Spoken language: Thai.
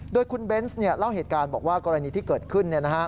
โดยคุณเบนส์เล่าเหตุการณ์บอกว่ากรณีที่เกิดขึ้น